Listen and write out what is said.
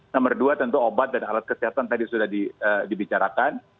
nomor dua tentu obat dan alat kesehatan tadi sudah dibicarakan